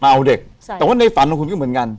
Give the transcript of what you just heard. เอาเด็กใช่แต่ว่าในฝันของคุณก็เหมือนกัน